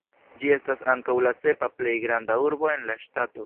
Ĝi estas ankaŭ la sepa plej granda urbo en la ŝtato.